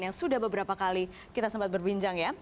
yang sudah beberapa kali kita sempat berbincang ya